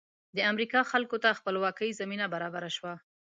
د امریکا خلکو ته خپلواکۍ زمینه برابره شوه.